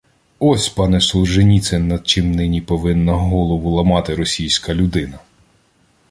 Ось, пане Солженіцин, над чим нині повинна голову ламати російська людина